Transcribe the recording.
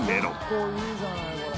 結構いいじゃないこれ。